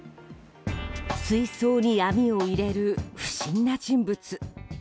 水槽に網を入れる不審な人物。